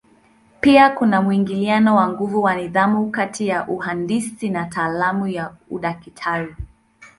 Pia kuna mwingiliano wa nguvu wa nidhamu kati ya uhandisi na taaluma ya udaktari.